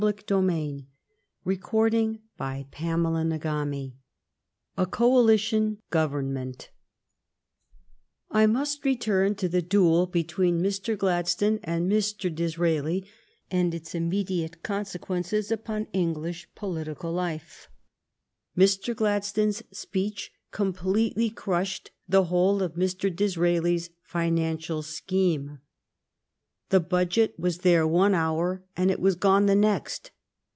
CHAPTER XV A COALITION GOVERNMENT I MUST return to the duel between Mr. Gladstone and Mr. Disraeli and its immediate consequences upon English political life. Mr. Gladstone's speech completely crushed the whole of Mr. Dis raeli's financial scheme. The budget was there one hour, and it was gone the next.